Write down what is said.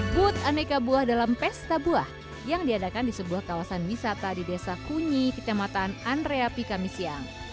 sebut aneka buah dalam pesta buah yang diadakan di sebuah kawasan wisata di desa kunyi ketematan andrea pikamisiang